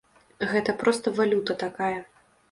Гэта проста валюта такая.